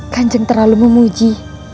kanjeng terlalu memuji